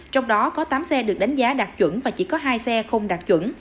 trong đó có tám xe được đánh giá đạt chuẩn và chỉ có hai xe không đạt chuẩn